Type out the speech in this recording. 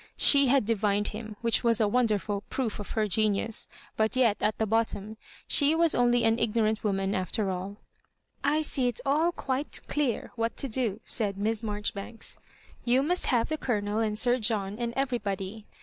She had divined him, which was a wonderftil proof of h«r genius; but yet at the bottom she was only an ignorant woman after aU. '^ I see it all quite dear what to do," said Miss Marjoribanks. "You must have the Colo nel and Sir John^and everybody.